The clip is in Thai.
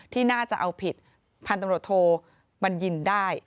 ที่น่าจะเอาผิดพันธุ์ตำรวจโทบัญญินได้